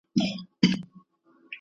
زه به سبا زدکړه کوم!؟